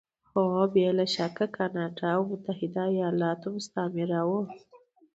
هو! بې له شکه کاناډا او متحده ایالتونه مستعمره وو.